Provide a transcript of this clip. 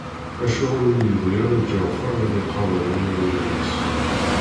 Acuɣer ur yibɣi ara Ǧeɛfer ad iqadeṛ imawlan-is?